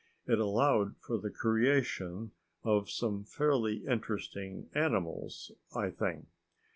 It allowed for the creation of some fairly interesting animals, I think.